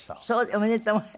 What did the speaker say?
おめでとう。